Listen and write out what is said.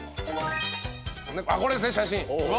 これですね写真。